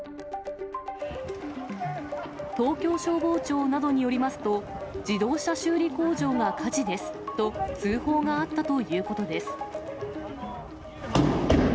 東京消防庁などによりますと、自動車修理工場が火事ですと、通報があったということです。